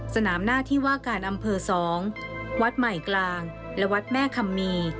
สนามหน้าที่ว่าการอำเภอ๒วัดใหม่กลางและวัดแม่คัมมี